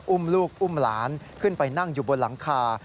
อุ้มลูกอุ้มหลานขึ้นไปนั่งอยู่บนหลังคา